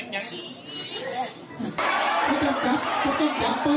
หลุมจักรชา